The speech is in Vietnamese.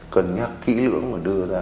cần nhắc thỹ lưỡng và đưa ra